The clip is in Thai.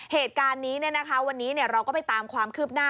เหตุการณ์นี้วันนี้เราก็ไปตามความคืบหน้า